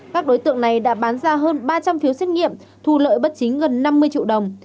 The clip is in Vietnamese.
các đối tượng này đã bán ra hơn ba trăm linh phiếu xét nghiệm thu lợi bất chính gần năm mươi triệu đồng